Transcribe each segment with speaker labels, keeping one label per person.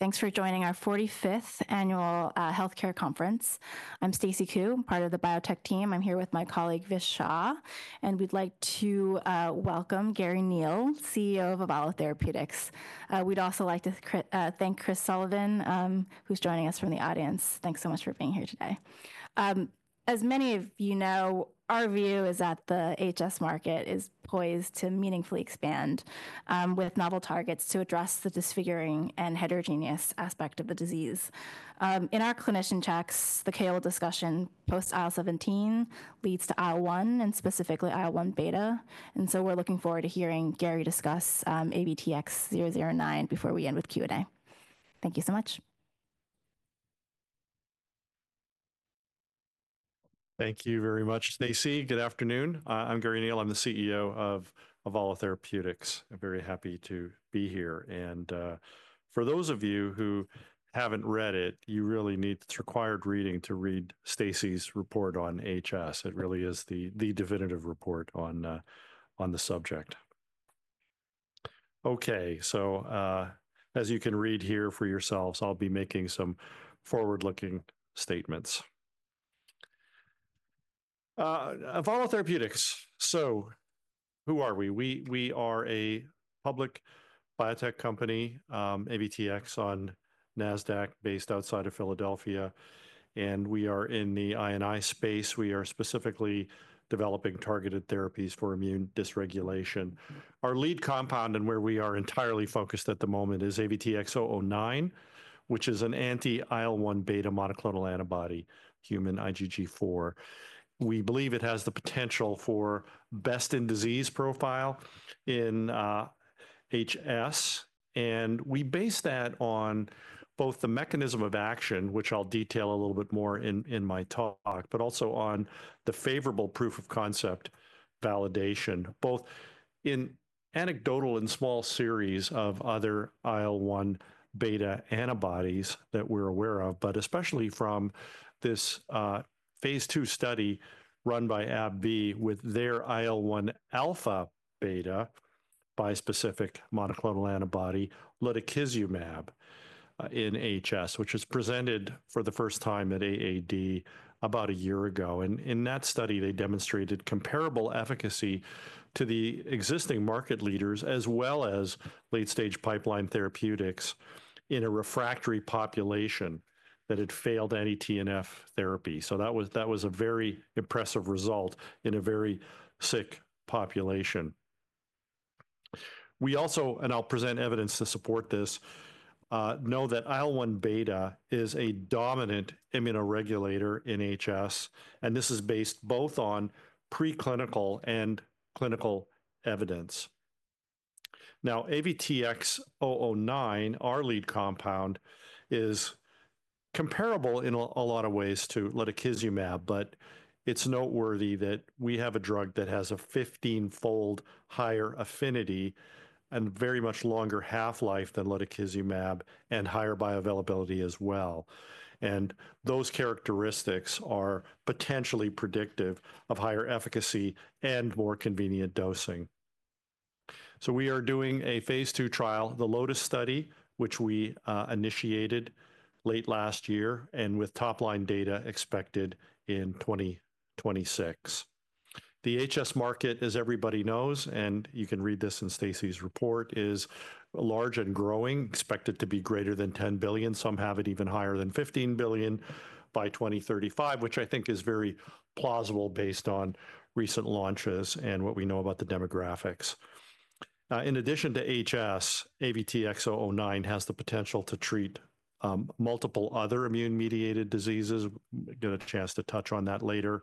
Speaker 1: Thanks for joining our 45th Annual Healthcare Conference. I'm Stacy Ku, part of the Biotech Team. I'm here with my colleague, Vish Shah, and we'd like to welcome Garry Neil, CEO of Avalo Therapeutics. We'd also like to thank Chris Sullivan, who's joining us from the audience. Thanks so much for being here today. As many of you know, our view is that the HS market is poised to meaningfully expand with novel targets to address the disfiguring and heterogeneous aspect of the disease. In our clinician checks, the KOL discussion post IL-17 leads to IL-1, and specifically IL-1β. We are looking forward to hearing Garry discuss AVTX-009 before we end with Q&A. Thank you so much.
Speaker 2: Thank you very much, Stacy. Good afternoon. I'm Garry Neil. I'm the CEO of Avalo Therapeutics. I'm very happy to be here. For those of you who haven't read it, you really need the required reading to read Stacy's report on HS. It really is the definitive report on the subject. As you can read here for yourselves, I'll be making some forward-looking statements. Avalo Therapeutics. Who are we? We are a public biotech company, AVTX on NASDAQ, based outside of Philadelphia. We are in the I&I space. We are specifically developing targeted therapies for immune dysregulation. Our lead compound and where we are entirely focused at the moment is AVTX-009, which is an anti-IL-1β monoclonal antibody, human IgG4. We believe it has the potential for best-in-disease profile in HS. We base that on both the mechanism of action, which I'll detail a little bit more in my talk, but also on the favorable proof of concept validation, both in anecdotal and small series of other IL-1β antibodies that we're aware of, but especially from this phase two study run by AbbVie with their IL-1αβ bispecific monoclonal antibody, lutikizumab, in HS, which was presented for the first time at AAD about a year ago. In that study, they demonstrated comparable efficacy to the existing market leaders, as well as late-stage pipeline therapeutics in a refractory population that had failed anti-TNF therapy. That was a very impressive result in a very sick population. We also, and I'll present evidence to support this, know that IL-1β is a dominant immunoregulator in HS. This is based both on preclinical and clinical evidence. Now, AVTX-009, our lead compound, is comparable in a lot of ways to lutikizumab, but it's noteworthy that we have a drug that has a 15-fold higher affinity and very much longer half-life than lutikizumab and higher bioavailability as well. Those characteristics are potentially predictive of higher efficacy and more convenient dosing. We are doing a Phase II trial, the LOTUS study, which we initiated late last year with top-line data expected in 2026. The HS market, as everybody knows, and you can read this in Stacy's report, is large and growing, expected to be greater than $10 billion. Some have it even higher than $15 billion by 2035, which I think is very plausible based on recent launches and what we know about the demographics. In addition to HS, AVTX-009 has the potential to treat multiple other immune-mediated diseases. I'm going to get a chance to touch on that later.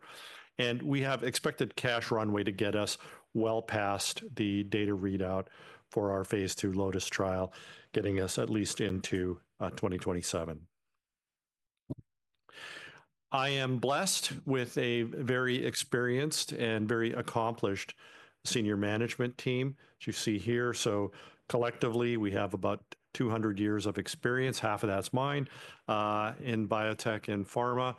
Speaker 2: We have expected cash runway to get us well past the data readout for our Phase II LOTUS trial, getting us at least into 2027. I am blessed with a very experienced and very accomplished senior management team, as you see here. Collectively, we have about 200 years of experience. Half of that's mine in biotech and pharma.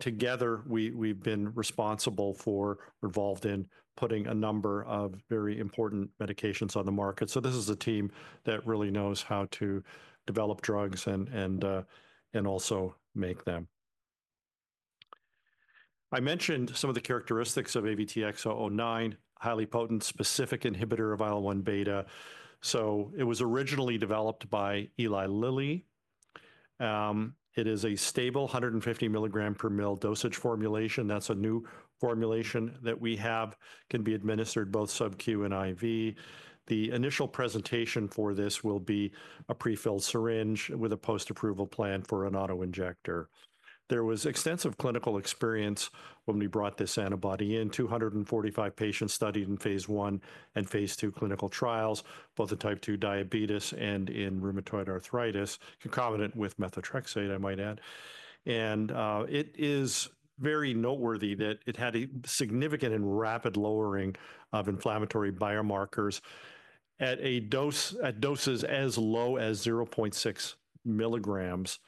Speaker 2: Together, we've been responsible for or involved in putting a number of very important medications on the market. This is a team that really knows how to develop drugs and also make them. I mentioned some of the characteristics of AVTX-009, highly potent specific inhibitor of IL-1β. It was originally developed by Eli Lilly. It is a stable 150 milligram per ml dosage formulation. That's a new formulation that we have that can be administered both subcu and IV. The initial presentation for this will be a pre-filled syringe with a post-approval plan for an auto-injector. There was extensive clinical experience when we brought this antibody in, 245 patients studied in phase one and phase two clinical trials, both in Type 2 diabetes and in rheumatoid arthritis, concomitant with methotrexate, I might add. It is very noteworthy that it had a significant and rapid lowering of inflammatory biomarkers at doses as low as 0.6 milligrams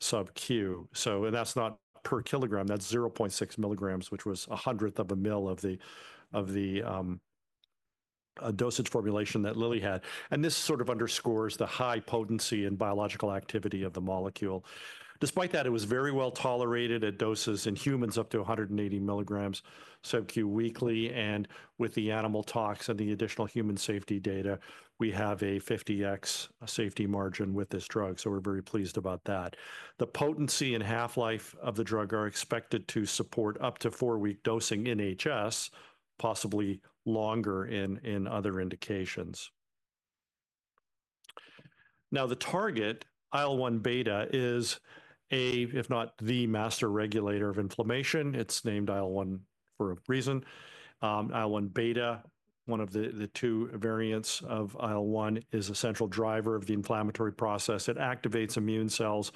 Speaker 2: subcu. That's not per kilogram. That's 0.6 milligrams, which was a hundredth of a ml of the dosage formulation that Lilly had. This sort of underscores the high potency and biological activity of the molecule. Despite that, it was very well tolerated at doses in humans up to 180 milligrams subcu weekly. With the animal tox and the additional human safety data, we have a 50x safety margin with this drug. We are very pleased about that. The potency and half-life of the drug are expected to support up to four-week dosing in HS, possibly longer in other indications. The target, IL-1β, is a, if not the master regulator of inflammation. It is named IL-1 for a reason. IL-1β, one of the two variants of IL-1, is a central driver of the inflammatory process. It activates immune cells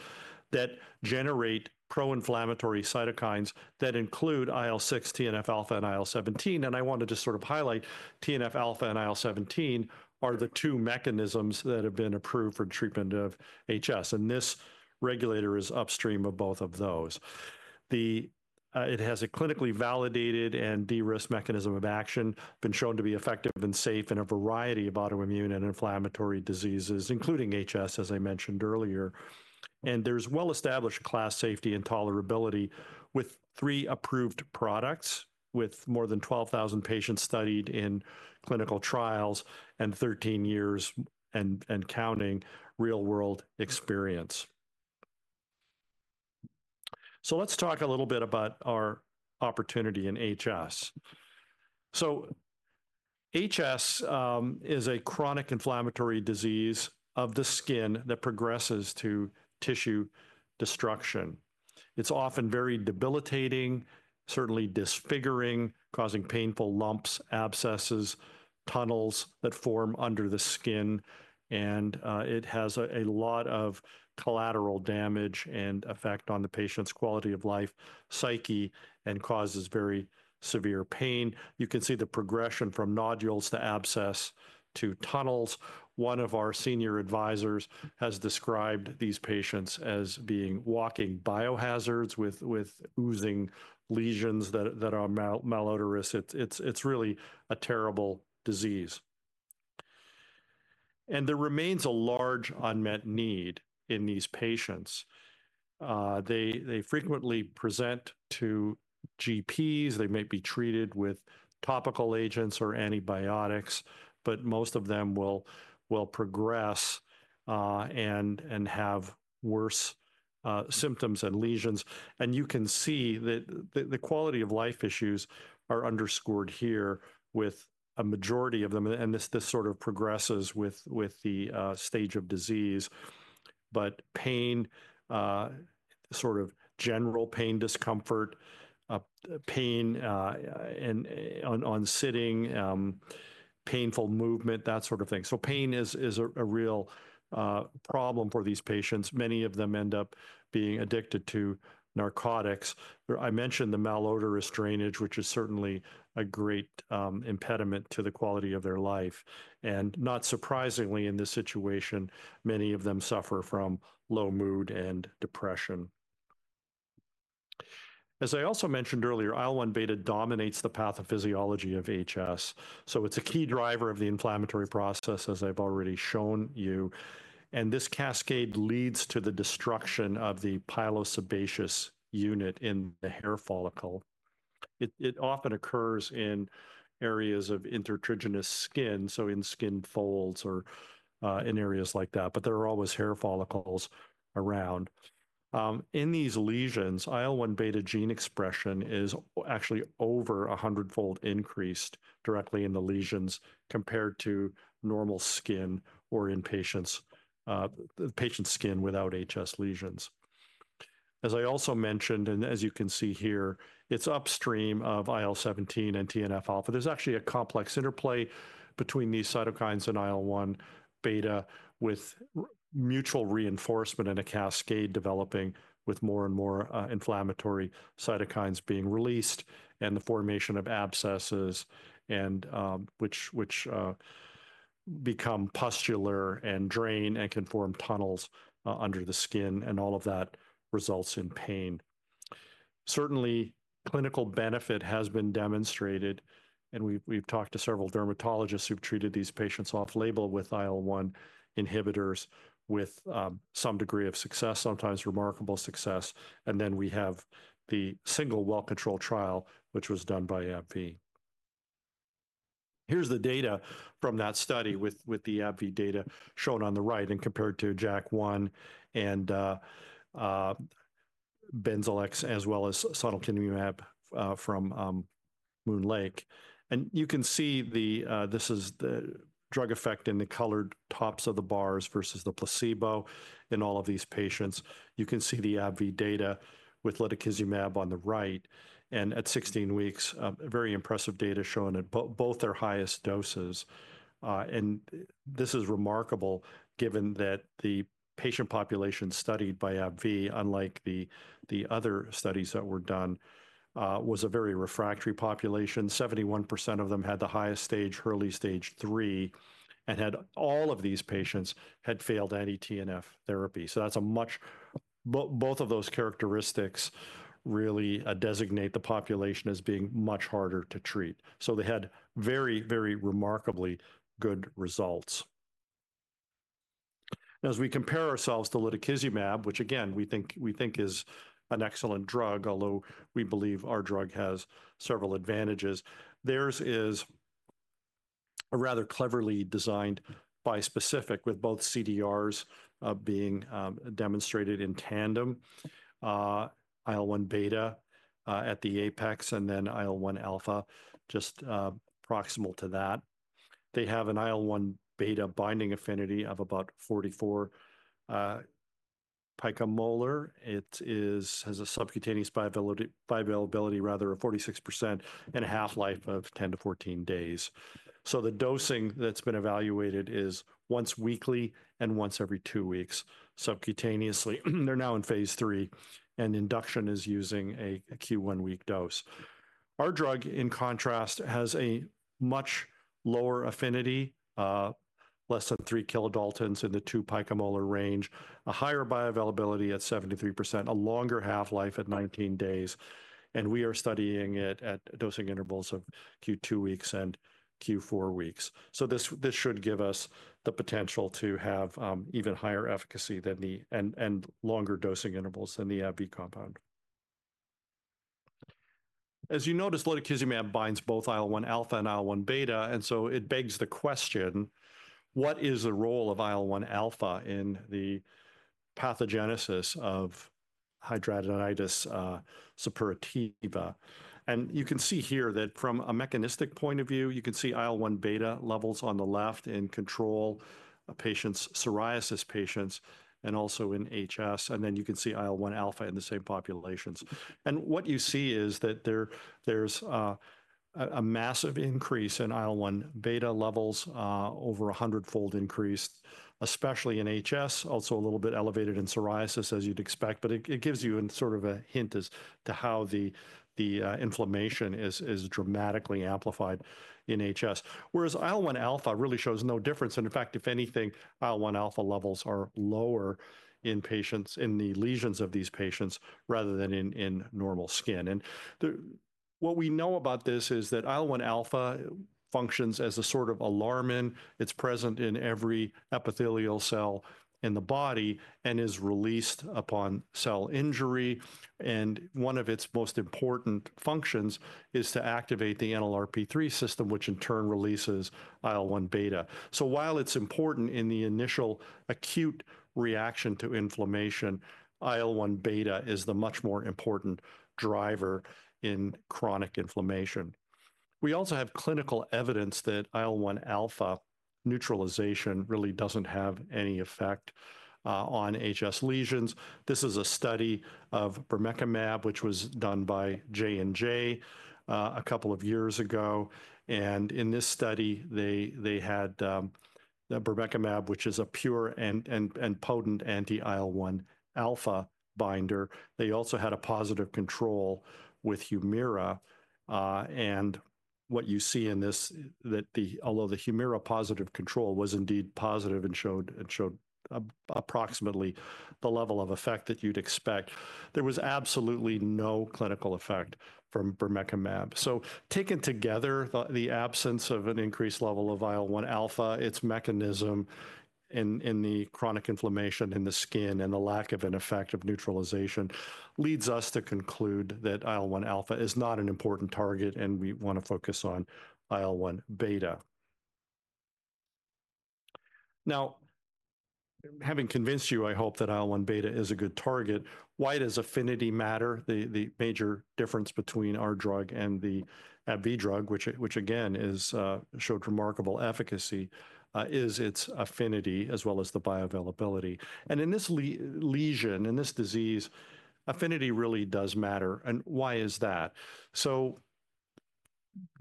Speaker 2: that generate pro-inflammatory cytokines that include IL-6, TNF alpha, and IL-17. I wanted to sort of highlight TNF alpha and IL-17 are the two mechanisms that have been approved for treatment of HS. This regulator is upstream of both of those. It has a clinically validated and de-risked mechanism of action, been shown to be effective and safe in a variety of autoimmune and inflammatory diseases, including HS, as I mentioned earlier. There is well-established class safety and tolerability with three approved products, with more than 12,000 patients studied in clinical trials and 13 years and counting real-world experience. Let's talk a little bit about our opportunity in HS. HS is a chronic inflammatory disease of the skin that progresses to tissue destruction. It is often very debilitating, certainly disfiguring, causing painful lumps, abscesses, tunnels that form under the skin. It has a lot of collateral damage and effect on the patient's quality of life, psyche, and causes very severe pain. You can see the progression from nodules to abscess to tunnels. One of our senior advisors has described these patients as being walking biohazards with oozing lesions that are malodorous. It's really a terrible disease. There remains a large unmet need in these patients. They frequently present to GPs. They might be treated with topical agents or antibiotics, but most of them will progress and have worse symptoms and lesions. You can see that the quality of life issues are underscored here with a majority of them. This sort of progresses with the stage of disease. Pain, sort of general pain, discomfort, pain on sitting, painful movement, that sort of thing. Pain is a real problem for these patients. Many of them end up being addicted to narcotics. I mentioned the malodorous drainage, which is certainly a great impediment to the quality of their life. Not surprisingly, in this situation, many of them suffer from low mood and depression. As I also mentioned earlier, IL-1β dominates the pathophysiology of HS. It is a key driver of the inflammatory process, as I have already shown you. This cascade leads to the destruction of the pilosebaceous unit in the hair follicle. It often occurs in areas of intertriginous skin, in skin folds or in areas like that, but there are always hair follicles around. In these lesions, IL-1β gene expression is actually over 100-fold increased directly in the lesions compared to normal skin or in patients' skin without HS lesions. As I also mentioned, and as you can see here, it is upstream of IL-17 and TNF alpha. There's actually a complex interplay between these cytokines and IL-1β with mutual reinforcement and a cascade developing with more and more inflammatory cytokines being released and the formation of abscesses, which become pustular and drain and can form tunnels under the skin, and all of that results in pain. Certainly, clinical benefit has been demonstrated. We've talked to several dermatologists who've treated these patients off-label with IL-1 inhibitors with some degree of success, sometimes remarkable success. We have the single well-controlled trial, which was done by AbbVie. Here's the data from that study with the AbbVie data shown on the right and compared to JAK1 and BIMZELX as well as sonelokimab from MoonLake. You can see this is the drug effect in the colored tops of the bars versus the placebo in all of these patients. You can see the AbbVie data with lutikizumab on the right. At 16 weeks, very impressive data showing at both their highest doses. This is remarkable given that the patient population studied by AbbVie, unlike the other studies that were done, was a very refractory population. 71% of them had the highest stage, early stage three, and all of these patients had failed anti-TNF therapy. Both of those characteristics really designate the population as being much harder to treat. They had very, very remarkably good results. As we compare ourselves to lutikizumab, which again, we think is an excellent drug, although we believe our drug has several advantages, theirs is a rather cleverly designed bispecific with both CDRs being demonstrated in tandem, IL-1β at the apex, and then IL-1α just proximal to that. They have an IL-1β binding affinity of about 44 picomolar. It has a subcutaneous bioavailability of 46% and a half-life of 10-14 days. The dosing that's been evaluated is once weekly and once every two weeks subcutaneously. They are now in phase three, and induction is using a Q1 week dose. Our drug, in contrast, has a much lower affinity, less than three KD in the two picomolar range, a higher bioavailability at 73%, a longer half-life at 19 days. We are studying it at dosing intervals of Q2 weeks and Q4 weeks. This should give us the potential to have even higher efficacy and longer dosing intervals than the AbbVie compound. As you noticed, lutikizumab binds both IL-1α and IL-1β. It begs the question, what is the role of IL-1α in the pathogenesis of hidradenitis suppurativa? You can see here that from a mechanistic point of view, you can see IL-1β levels on the left in control of patients, psoriasis patients, and also in HS. You can see IL-1α in the same populations. What you see is that there's a massive increase in IL-1β levels, over a hundredfold increase, especially in HS, also a little bit elevated in psoriasis, as you'd expect. It gives you sort of a hint as to how the inflammation is dramatically amplified in HS. Whereas IL-1α really shows no difference. In fact, if anything, IL-1α levels are lower in the lesions of these patients rather than in normal skin. What we know about this is that IL-1α functions as a sort of alarmin. It's present in every epithelial cell in the body and is released upon cell injury. One of its most important functions is to activate the NLRP3 system, which in turn releases IL-1β. While it's important in the initial acute reaction to inflammation, IL-1β is the much more important driver in chronic inflammation. We also have clinical evidence that IL-1α neutralization really doesn't have any effect on HS lesions. This is a study of bermekimab, which was done by J&J a couple of years ago. In this study, they had bermekimab, which is a pure and potent anti-IL-1α binder. They also had a positive control with HUMIRA. What you see in this, although the HUMIRA positive control was indeed positive and showed approximately the level of effect that you'd expect, there was absolutely no clinical effect from bermekimab. Taken together, the absence of an increased level of IL-1α, its mechanism in the chronic inflammation in the skin and the lack of an effective neutralization leads us to conclude that IL-1α is not an important target, and we want to focus on IL-1β. Now, having convinced you, I hope that IL-1β is a good target. Why does affinity matter? The major difference between our drug and the AbbVie drug, which again showed remarkable efficacy, is its affinity as well as the bioavailability. In this lesion, in this disease, affinity really does matter. Why is that?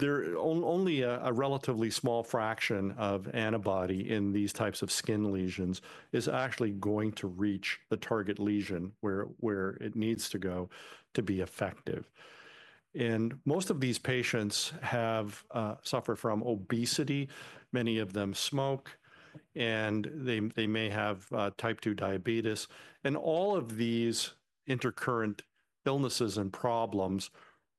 Speaker 2: Only a relatively small fraction of antibody in these types of skin lesions is actually going to reach the target lesion where it needs to go to be effective. Most of these patients have suffered from obesity. Many of them smoke, and they may have Type 2 diabetes. All of these intercurrent illnesses and problems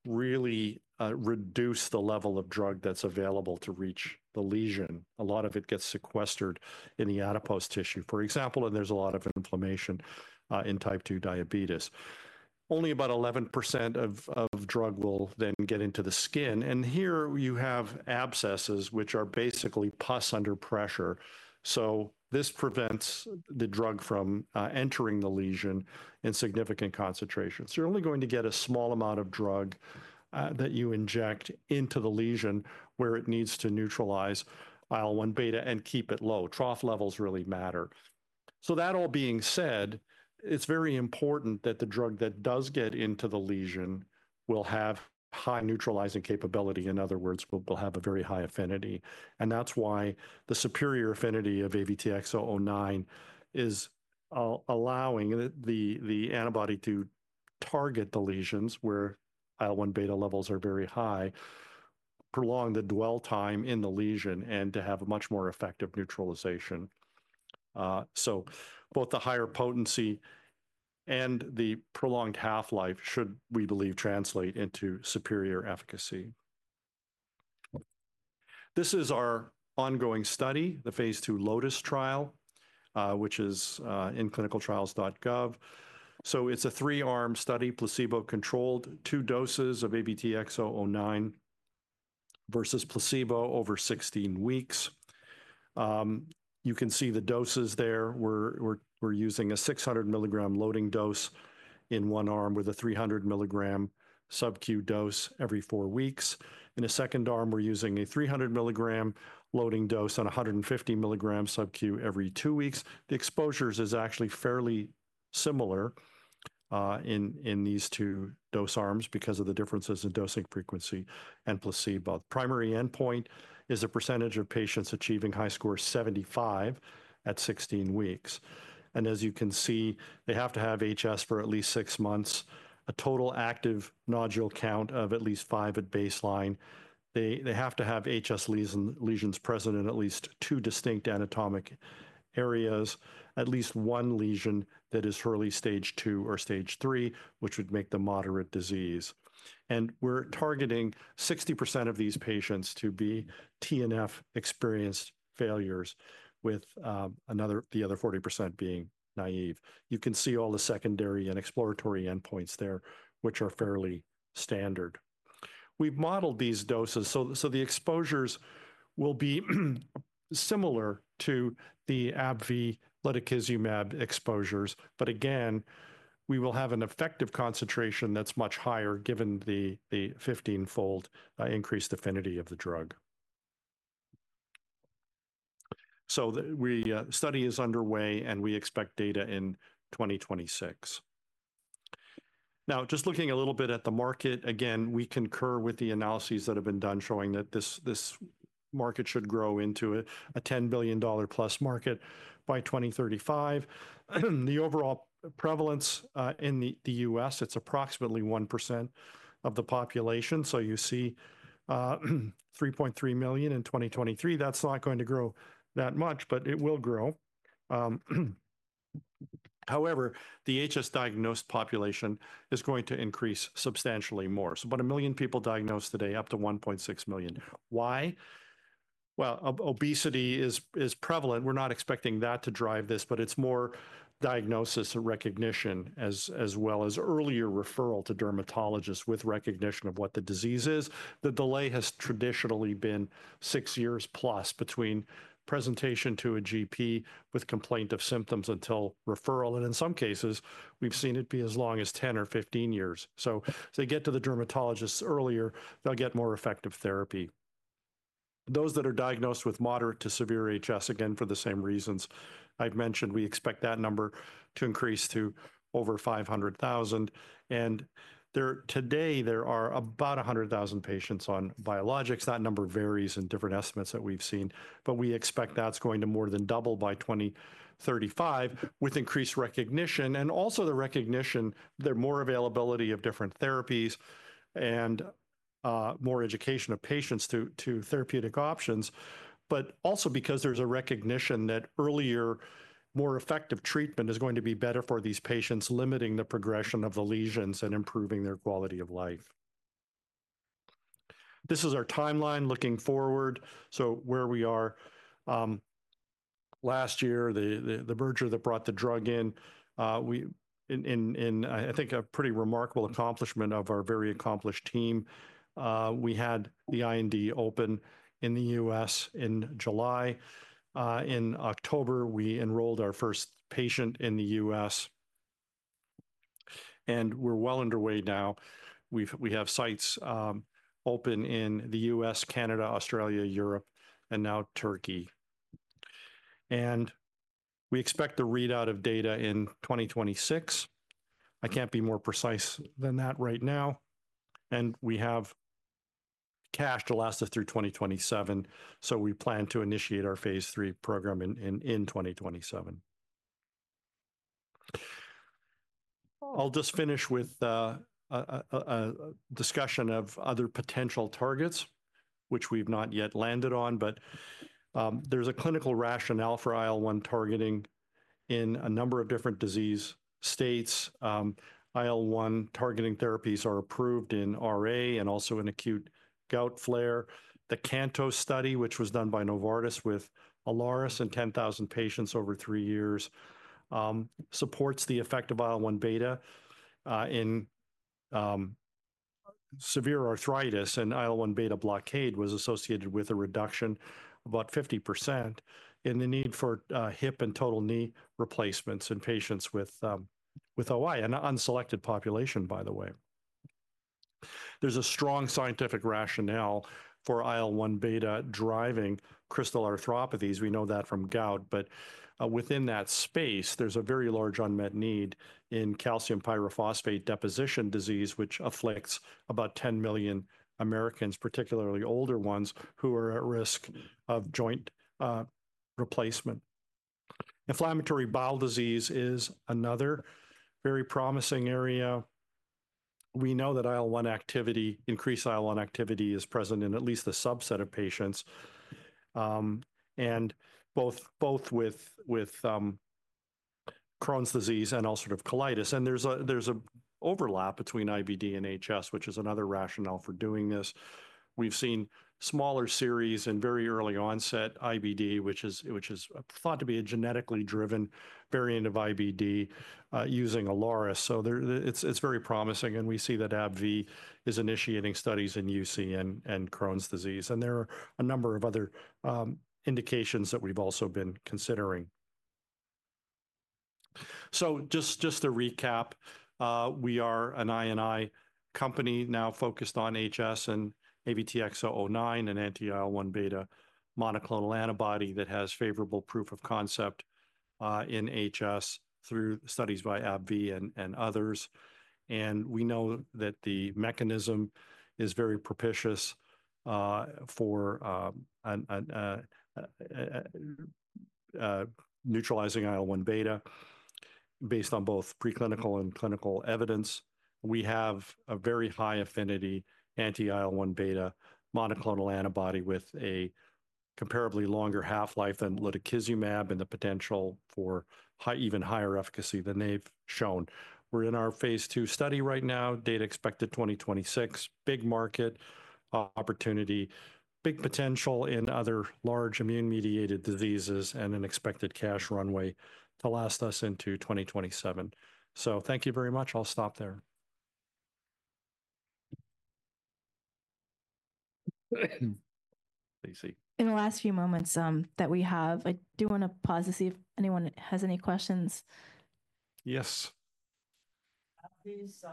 Speaker 2: really reduce the level of drug that's available to reach the lesion. A lot of it gets sequestered in the adipose tissue, for example, and there's a lot of inflammation in Type 2 diabetes. Only about 11% of drug will then get into the skin. Here you have abscesses, which are basically pus under pressure. This prevents the drug from entering the lesion in significant concentrations. You're only going to get a small amount of drug that you inject into the lesion where it needs to neutralize IL-1β and keep it low. Trough levels really matter. That all being said, it's very important that the drug that does get into the lesion will have high neutralizing capability. In other words, will have a very high affinity. That's why the superior affinity of AVTX-009 is allowing the antibody to target the lesions where IL-1β levels are very high, prolong the dwell time in the lesion, and to have a much more effective neutralization. Both the higher potency and the prolonged half-life should, we believe, translate into superior efficacy. This is our ongoing study, the phase two LOTUS trial, which is in clinicaltrials.gov. It's a three-arm study, placebo-controlled, two doses of AVTX-009 versus placebo over 16 weeks. You can see the doses there. We're using a 600 milligram loading dose in one arm with a 300 milligram subcu dose every four weeks. In a second arm, we're using a 300 milligram loading dose and 150 milligram subcu every two weeks. The exposures are actually fairly similar in these two dose arms because of the differences in dosing frequency and placebo. The primary endpoint is a percentage of patients achieving HiSCR 75 at 16 weeks. As you can see, they have to have HS for at least six months, a total active nodule count of at least five at baseline. They have to have HS lesions present in at least two distinct anatomic areas, at least one lesion that is early stage two or stage three, which would make the moderate disease. We're targeting 60% of these patients to be TNF experienced failures, with the other 40% being naive. You can see all the secondary and exploratory endpoints there, which are fairly standard. We've modeled these doses. The exposures will be similar to the AbbVie lutikizumab exposures. Again, we will have an effective concentration that's much higher given the 15-fold increased affinity of the drug. The study is underway, and we expect data in 2026. Now, just looking a little bit at the market, again, we concur with the analyses that have been done showing that this market should grow into a $10+ billion market by 2035. The overall prevalence in the U.S., it's approximately 1% of the population. So you see 3.3 million in 2023. That's not going to grow that much, but it will grow. However, the HS diagnosed population is going to increase substantially more. So about a million people diagnosed today, up to 1.6 million. Why? Obesity is prevalent. We're not expecting that to drive this, but it's more diagnosis and recognition as well as earlier referral to dermatologists with recognition of what the disease is. The delay has traditionally been six years plus between presentation to a GP with complaint of symptoms until referral. In some cases, we've seen it be as long as 10 or 15 years. If they get to the dermatologists earlier, they'll get more effective therapy. Those that are diagnosed with moderate to severe HS, again, for the same reasons I've mentioned, we expect that number to increase to over 500,000. Today, there are about 100,000 patients on biologics. That number varies in different estimates that we've seen, but we expect that's going to more than double by 2035 with increased recognition and also the recognition, there is more availability of different therapies and more education of patients to therapeutic options. There is also a recognition that earlier, more effective treatment is going to be better for these patients, limiting the progression of the lesions and improving their quality of life. This is our timeline looking forward. Where we are, last year, the merger that brought the drug in, I think a pretty remarkable accomplishment of our very accomplished team. We had the IND open in the U.S. in July. In October, we enrolled our first patient in the U.S. We are well underway now. We have sites open in the U.S., Canada, Australia, Europe, and now Turkey. We expect the readout of data in 2026. I can't be more precise than that right now. We have cash to last us through 2027. We plan to initiate our phase three program in 2027. I'll just finish with a discussion of other potential targets, which we've not yet landed on. There is a clinical rationale for IL-1 targeting in a number of different disease states. IL-1 targeting therapies are approved in RA and also in acute gout flare. The CANTO study, which was done by Novartis with Ilaris and 10,000 patients over three years, supports the effect of IL-1β in severe arthritis. IL-1β blockade was associated with a reduction of about 50% in the need for hip and total knee replacements in patients with osteoarthritis, an unselected population, by the way. There is a strong scientific rationale for IL-1β driving crystal arthropathies. We know that from gout. Within that space, there is a very large unmet need in calcium pyrophosphate deposition disease, which afflicts about 10 million Americans, particularly older ones who are at risk of joint replacement. Inflammatory bowel disease is another very promising area. We know that IL-1 activity, increased IL-1 activity is present in at least a subset of patients, and both with Crohn's disease and ulcerative colitis. There is an overlap between IBD and HS, which is another rationale for doing this. We've seen smaller series and very early onset IBD, which is thought to be a genetically driven variant of IBD using Ilaris. It is very promising. We see that AbbVie is initiating studies in UC and Crohn's disease. There are a number of other indications that we've also been considering. Just to recap, we are an INI company now focused on HS and AVTX-009, an anti-IL-1β monoclonal antibody that has favorable proof of concept in HS through studies by AbbVie and others. We know that the mechanism is very propitious for neutralizing IL-1β based on both preclinical and clinical evidence. We have a very high affinity anti-IL-1β monoclonal antibody with a comparably longer half-life than lutikizumab and the potential for even higher efficacy than they've shown. We're in our phase two study right now. Date expected 2026. Big market opportunity, big potential in other large immune-mediated diseases and an expected cash runway to last us into 2027. Thank you very much. I'll stop there. Stacy.
Speaker 1: In the last few moments that we have, I do want to pause to see if anyone has any questions.
Speaker 2: Yes. [AbbVie's]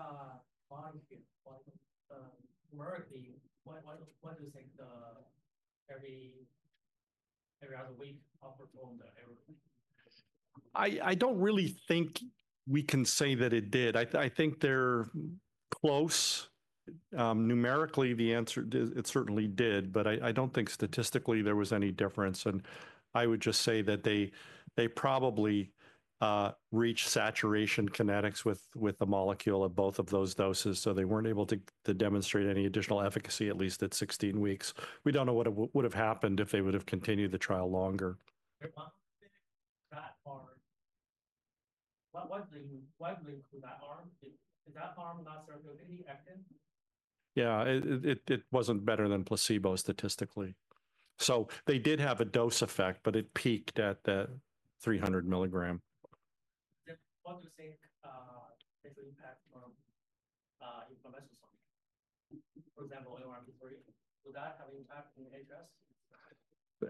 Speaker 2: body count numerically, what do you think every other week upper bound the error? I don't really think we can say that it did. I think they're close. Numerically, the answer, it certainly did, but I don't think statistically there was any difference. I would just say that they probably reached saturation kinetics with the molecule at both of those doses. They weren't able to demonstrate any additional efficacy at least at 16 weeks. We don't know what would have happened if they would have continued the trial longer. That arm, what was the influence of that arm? Is that arm not certainly effective? Yeah, it wasn't better than placebo statistically. They did have a dose effect, but it peaked at the 300 milligram. What do you think is the impact from inflammation? For example, NLRP3, would that have an impact in HS?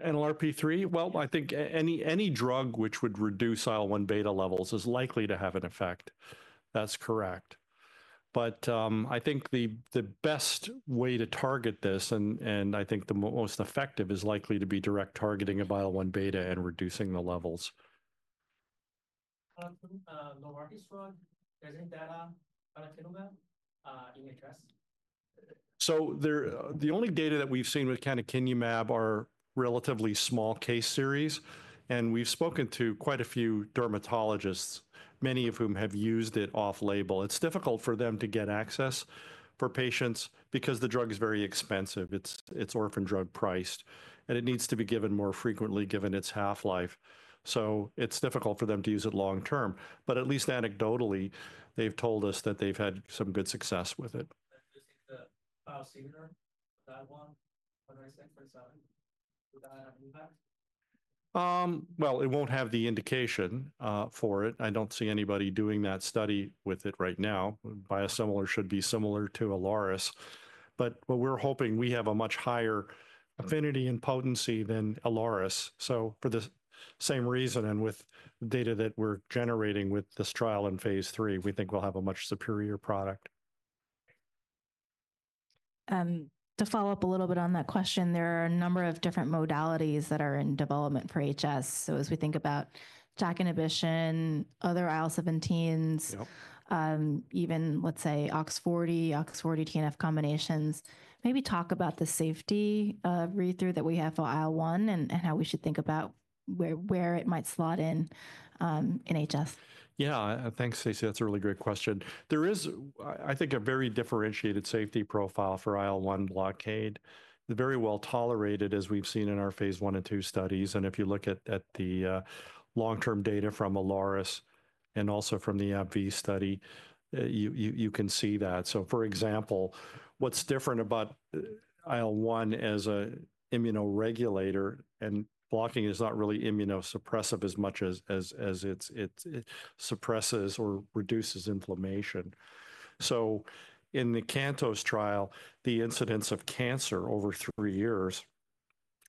Speaker 2: NLRP3? I think any drug which would reduce IL-1β levels is likely to have an effect. That's correct. I think the best way to target this, and I think the most effective, is likely to be direct targeting of IL-1β and reducing the levels. Novartis drug, does it have canakinumab in HS? The only data that we've seen with canakinumab are relatively small case series. We've spoken to quite a few dermatologists, many of whom have used it off-label. It's difficult for them to get access for patients because the drug is very expensive. It's orphan drug priced, and it needs to be given more frequently given its half-life. It's difficult for them to use it long term. At least anecdotally, they've told us that they've had some good success with it. Do you think the biosimilar, that one, [127}, would that have an impact? It won't have the indication for it. I don't see anybody doing that study with it right now. Biosimilar should be similar to Ilaris. We're hoping we have a much higher affinity and potency than Ilaris. For the same reason and with the data that we're generating with this trial in phase three, we think we'll have a much superior product.
Speaker 1: To follow up a little bit on that question, there are a number of different modalities that are in development for HS. As we think about JAK inhibition, other IL-17s, even let's say OX40, OX40 TNF combinations, maybe talk about the safety read-through that we have for IL-1 and how we should think about where it might slot in in HS.
Speaker 2: Yeah, thanks, Stacy. That's a really great question. There is, I think, a very differentiated safety profile for IL-1 blockade. Very well tolerated, as we've seen in our Phase I and II studies. If you look at the long-term data from Ilaris and also from the AbbVie study, you can see that. For example, what's different about IL-1 as an immunoregulator and blocking is not really immunosuppressive as much as it suppresses or reduces inflammation. In the CANTOS trial, the incidence of cancer over three years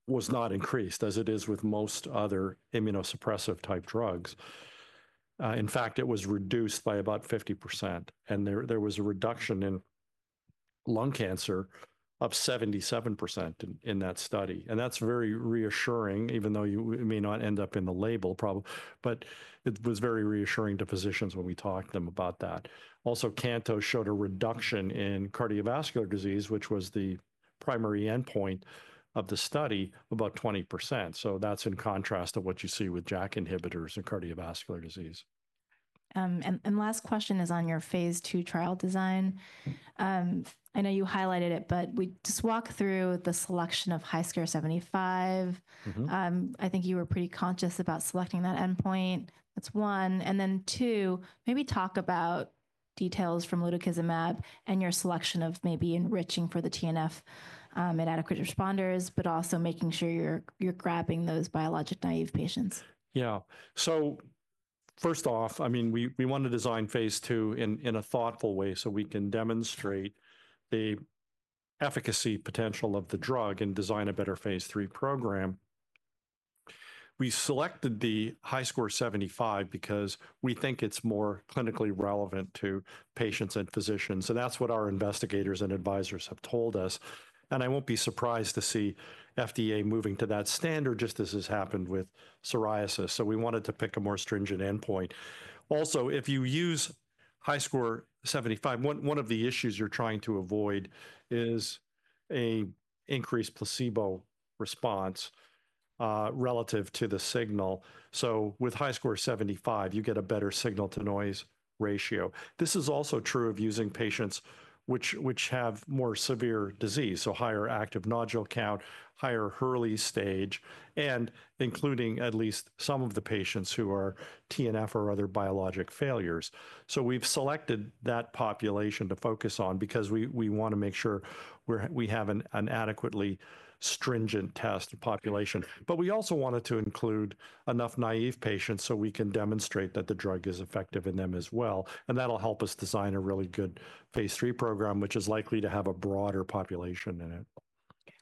Speaker 2: was not increased as it is with most other immunosuppressive-type drugs. In fact, it was reduced by about 50%. There was a reduction in lung cancer of 77% in that study. That is very reassuring, even though you may not end up in the label problem. It was very reassuring to physicians when we talked to them about that. Also, CANTOS showed a reduction in cardiovascular disease, which was the primary endpoint of the study, about 20%. That is in contrast to what you see with JAK inhibitors and cardiovascular disease.
Speaker 1: Last question is on your phase two trial design. I know you highlighted it, but we just walked through the selection of HiSCR 75. I think you were pretty conscious about selecting that endpoint. That is one. Two, maybe talk about details from lutikizumab and your selection of maybe enriching for the TNF inadequate responders, but also making sure you're grabbing those biologic naive patients.
Speaker 2: Yeah. First off, I mean, we want to design phase two in a thoughtful way so we can demonstrate the efficacy potential of the drug and design a better phase three program. We selected the HiSCR 75 because we think it's more clinically relevant to patients and physicians. That's what our investigators and advisors have told us. I won't be surprised to see FDA moving to that standard just as has happened with psoriasis. We wanted to pick a more stringent endpoint. Also, if you use HiSCR 75, one of the issues you're trying to avoid is an increased placebo response relative to the signal. With HiSCR 75, you get a better signal-to-noise ratio. This is also true of using patients which have more severe disease, so higher active nodule count, higher early stage, and including at least some of the patients who are TNF or other biologic failures. We have selected that population to focus on because we want to make sure we have an adequately stringent test population. We also wanted to include enough naive patients so we can demonstrate that the drug is effective in them as well. That will help us design a really good phase three program, which is likely to have a broader population in it.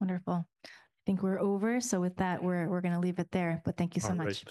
Speaker 1: Wonderful. I think we're over. With that, we're going to leave it there. Thank you so much.